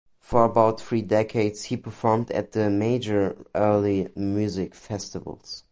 For about three decades he performed at the major early music festivals.